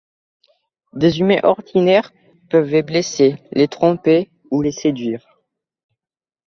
Des humains ordinaires peuvent les blesser, les tromper ou les séduire.